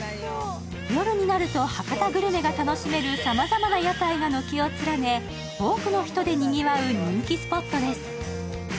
夜になると博多グルメが楽しめるさまざまな屋台が軒を連ね、多くの人でにぎわう人気スポットです。